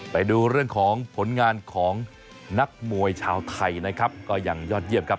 ไปดูเรื่องของผลงานของนักมวยชาวไทยนะครับก็ยังยอดเยี่ยมครับ